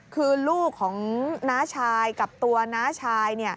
คือลูกของน้าชายกับตัวน้าชาย